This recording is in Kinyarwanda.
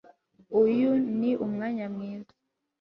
Uyu ni umwanya mwiza